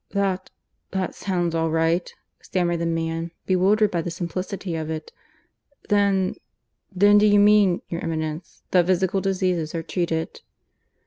"That ... that sounds all right," stammered the man, bewildered by the simplicity of it. "Then ... then do you mean, your Eminence, that physical diseases are treated